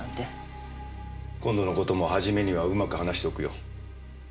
今度の事も元にはうまく話しておくよ。